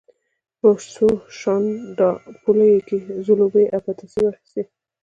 په څو شانداپولیو یې زلوبۍ او پتاسې واخیستې.